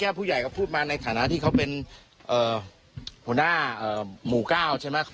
ให้ผู้ใหญ่พูดแทนไม่ได้ให้เล่าในเรื่องที่มันขัด